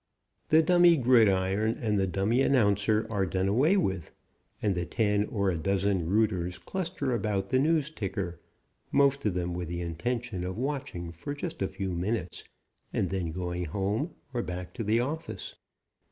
The dummy gridiron and the dummy announcer are done away with and the ten or a dozen rooters cluster about the news ticker, most of them with the intention of watching for just a few minutes and then going home or back to the office.